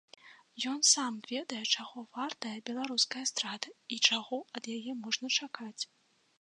Ён сам ведае, чаго вартая беларуская эстрада і чаго ад яе можна чакаць.